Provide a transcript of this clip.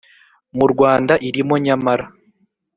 mu Rwanda irimo nyamara